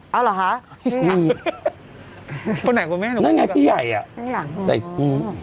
เอ้าเหรอคะนี่ไงนั่นไงพี่ใหญ่อะใส่ซื้ออ๋อ